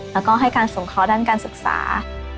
และมีการส่งเค้าด้านการศึกษา